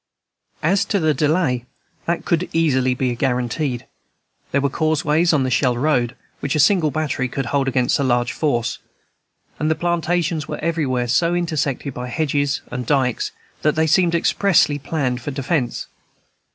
As to the delay, that could be easily guaranteed. There were causeways on the Shell Road which a single battery could hold against a large force; and the plantations were everywhere so intersected by hedges and dikes that they seemed expressly planned for defence.